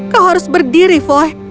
kau harus berdiri foy